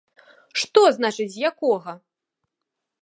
Што значыць, з якога!?